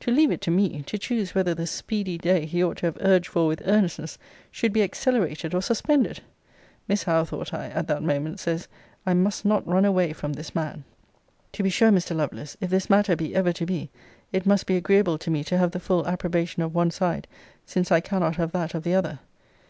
To leave it to me, to choose whether the speedy day he ought to have urged for with earnestness, should be accelerated or suspended! Miss Howe, thought I, at that moment, says, I must not run away from this man! To be sure, Mr. Lovelace, if this matter be ever to be, it must be agreeable to me to have the full approbation of one side, since I cannot have that of the other.